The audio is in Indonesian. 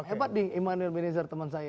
tiba tiba immanuel benazir ini